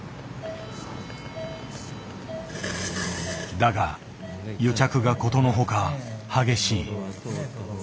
だが癒着がことのほか激しい。